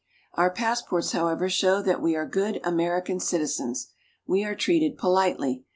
Our passports, however, show that we are good American citizens. We are treated politely.